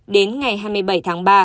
đến ngày hai mươi bảy tháng ba